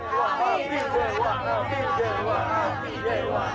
hidup sebagai seorang nelayan